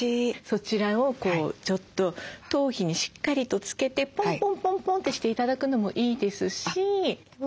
そちらをちょっと頭皮にしっかりとつけてポンポンポンポンってして頂くのもいいですし。